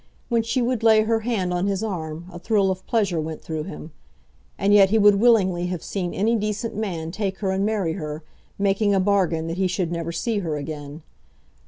When she would lay her hand on his arm, a thrill of pleasure went through him. And yet he would willingly have seen any decent man take her and marry her, making a bargain that he should never see her again.